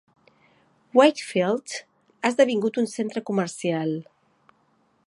Wakefield ha esdevingut un centre comercial.